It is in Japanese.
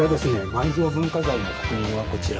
「埋蔵文化財の確認はこちら」。